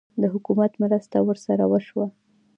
د حکومت مرسته ورسره وشوه؟